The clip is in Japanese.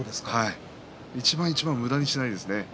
一番一番、むだにしていません。